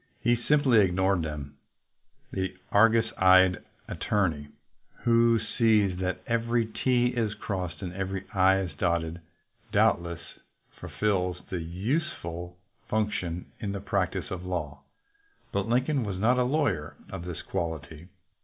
He simply ignored them. The argus 98 THE MANAGING CLERK eyed attorney, who sees that every "t" is crossed and that every "i" is dotted, doubtless fulfils a useful function in the practice of the law, but Lincoln was not a lawyer of this quality.